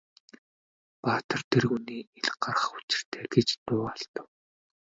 Баатар тэргүүнээ ил гаргах учиртай гэж дуу алдав.